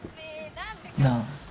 ・なあ